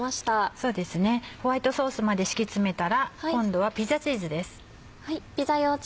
そうですねホワイトソースまで敷き詰めたら今度はピザチーズです。